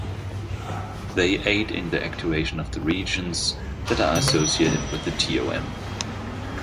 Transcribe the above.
They aid in the activation of the regions that are associated with the ToM.